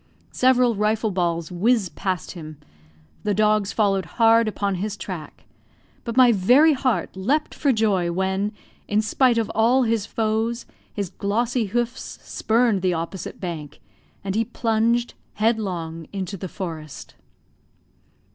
Several rifle balls whizzed past him, the dogs followed hard upon his track, but my very heart leaped for joy when, in spite of all his foes, his glossy hoofs spurned the opposite bank and he plunged headlong into the forest.